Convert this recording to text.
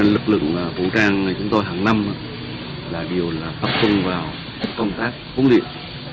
lực lượng vũ trang của chúng tôi hàng năm đều tập trung vào công tác huấn luyện